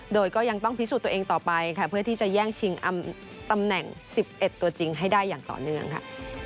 โดยก็ยังต้องพิสูจน์ตัวเองต่อไปค่ะเพื่อที่จะแย่งชิงตำแหน่ง๑๑ตัวจริงให้ได้อย่างต่อเนื่องค่ะ